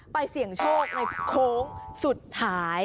เสี่ยงโชคในโค้งสุดท้าย